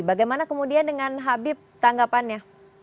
bagaimana kemudian dengan habib tanggapannya